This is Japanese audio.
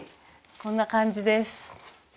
こんな感じです。